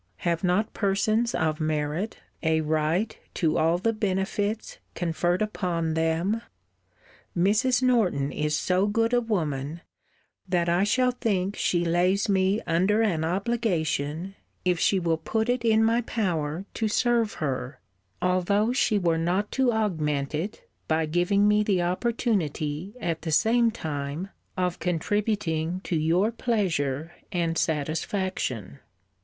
Have not persons of merit a right to all the benefits conferred upon them? Mrs. Norton is so good a woman, that I shall think she lays me under an obligation if she will put it in my power to serve her; although she were not to augment it, by giving me the opportunity, at the same time, of contributing to your pleasure and satisfaction.